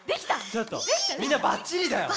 ちょっとみんなバッチリだよ！